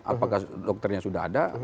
apakah dokternya sudah ada